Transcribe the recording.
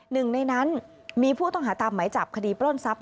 หนึ่งในนั้นมีผู้ต้องหาตามหมายจับคดีปล้นทรัพย